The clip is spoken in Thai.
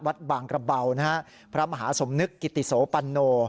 วัดบางกระเบานะฮะพระมหาสมนึกกิติโสปันโน